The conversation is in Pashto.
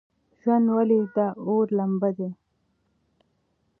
ژوند ولې د اور لمبه ده؟